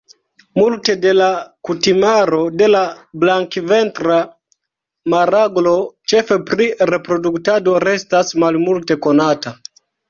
Multe de la kutimaro de la Blankventra maraglo, ĉefe pri reproduktado, restas malmulte konata.